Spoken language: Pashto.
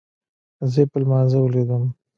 زه يې په لمانځه وليدم.